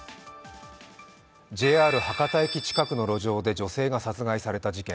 ＪＲ博多駅近くの路上で女性が殺害された事件。